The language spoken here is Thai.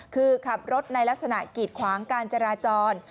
คือขับรถในลักษณะกีดขวางการจราจร